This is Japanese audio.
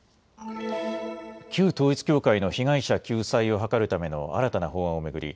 旧統一教会の被害者救済を図るための新たな法案を巡り